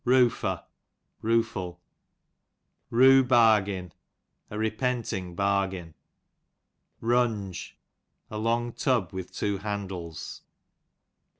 Rufo, ruefuL Rue Bargain, a repenting bar^ gain. RuHge, a long tub with two handles.